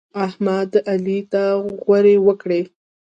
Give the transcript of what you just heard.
احمد؛ علي ته غورې وکړې.